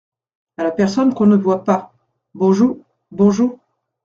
A la personne qu’on ne voit pas Bonjou… bonjou.